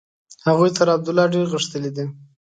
هغوی تر عبدالله ډېر غښتلي دي.